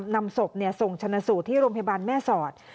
นำศพส่งชนะสูตรที่โรงพยาบาลแม่สอด